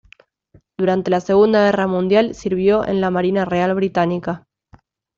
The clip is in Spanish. Durante la Segunda Guerra Mundial sirvió en la Marina Real Británica.